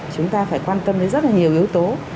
chúng ta phải quan tâm đến rất là nhiều yếu tố